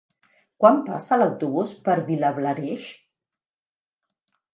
Quan passa l'autobús per Vilablareix?